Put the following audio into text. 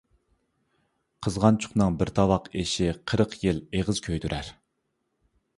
قىزغانچۇقنىڭ بىر تاۋاق ئېشى قىرىق يىل ئېغىز كۆيدۈرەر.